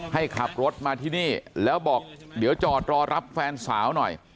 ให้ขับรถมาที่นี่แล้วบอกเดี๋ยวจอดรอรับแฟนสาวหน่อย